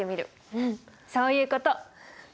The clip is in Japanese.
うんそういうこと。